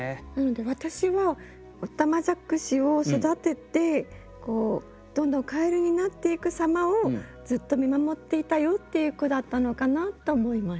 私はおたまじゃくしを育ててどんどんカエルになっていく様をずっと見守っていたよっていう句だったのかなと思いました。